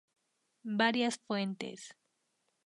Varias fuentes.